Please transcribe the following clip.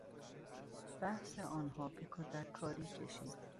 بحث آنها به کتککاری کشید.